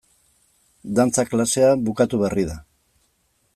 Dantza klasea bukatu berri da.